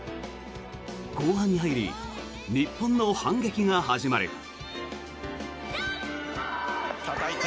後半に入り日本の反撃が始まる。